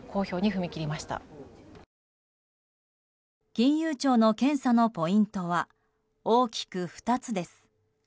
金融庁の検査のポイントは大きく２つです。